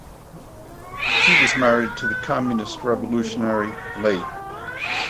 She was married to the communist revolutionary Late.